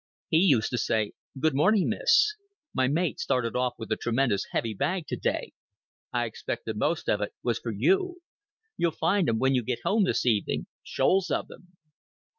He used to say, "Good morning, miss. My mate started off with a tremendous heavy bag to day. I expect the most of it was for you. You'll find 'em when you get home this evening shoals of 'em."